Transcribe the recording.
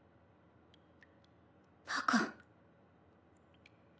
バカ。